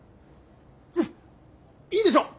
うんいいでしょう！